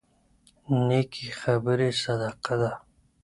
نيکې خبرې صدقه ده.